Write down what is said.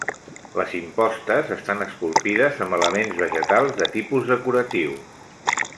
Les impostes estan esculpides amb elements vegetals de tipus decoratiu.